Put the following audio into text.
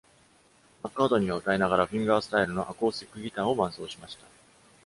マッカートニーは歌いながら、フィンガースタイルのアコースティックギターを伴奏しました。